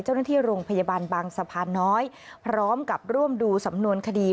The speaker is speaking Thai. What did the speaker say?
เจ้าหน้าที่โรงพยาบาลบางสะพานน้อยพร้อมกับร่วมดูสำนวนคดี